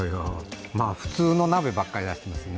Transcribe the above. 普通の鍋ばっかり出してますね。